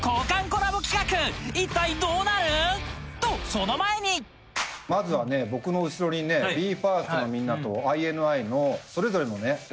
一体どうなる⁉とその前にまずはね僕の後ろにＢＥ：ＦＩＲＳＴのみんなとＩＮＩの。